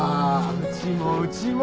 うちもうちも。